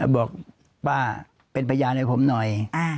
บอกป้าเป็นพยานให้ผมหน่อย